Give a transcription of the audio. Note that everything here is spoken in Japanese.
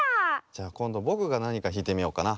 じゃこんどぼくがなにかひいてみようかな。